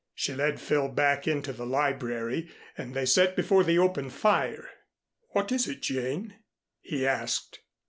She led Phil back into the library and they sat before the open fire. "What is it, Jane?" he asked.